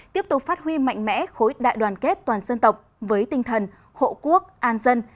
tiếp tục phát huy mạnh mẽ khối đại đoàn kết toàn dân tộc với tinh thần hộ quốc an dân